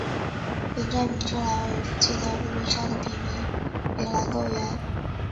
本站名称来源于附近的入笠山的别名铃兰高原。